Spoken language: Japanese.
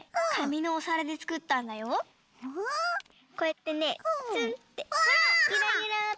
こうやってねつんって。